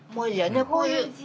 こういう字？